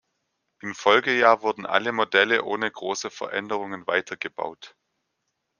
Im Folgejahr wurden alle Modelle ohne große Veränderungen weitergebaut.